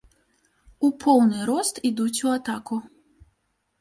У поўны рост ідуць у атаку.